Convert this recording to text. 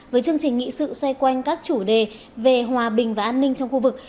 với chương trình nghị sự xoay quanh các chủ đề về hòa bình và an ninh trong khu vực